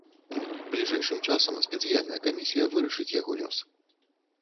Бліжэйшым часам спецыяльная камісія вырашыць яго лёс.